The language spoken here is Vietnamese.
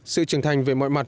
sự trưởng thành về mọi mặt